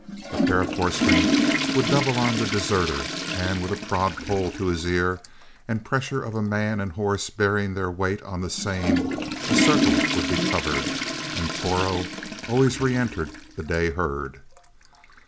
A pair of horsemen would double on the deserter, and with a prod pole to his ear and the pressure of a man and horse bearing their weight on the same, a circle would be covered and Toro always reëntered the day herd.